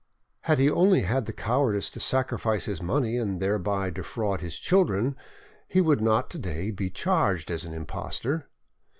Had he only had the cowardice to sacrifice his money and thereby defraud his children, he would not to day be charged as an impostor.